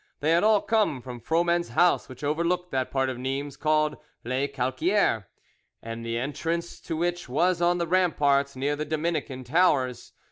They had all come from Froment's house, which overlooked that part of Nimes called Les Calquieres, and the entrance to which was on the ramparts near the Dominican Towers.